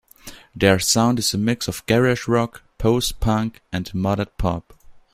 Their sound is a mix of garage rock, post-punk, and modded pop.